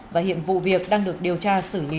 và hiện vụ việc đang được điều tra xử lý